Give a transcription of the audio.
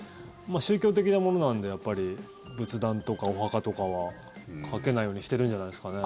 宗教的なものなんでやっぱり仏壇とかお墓とかはかけないようにしてるんじゃないですかね。